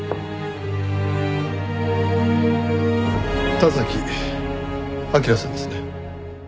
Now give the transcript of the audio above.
田崎明良さんですね。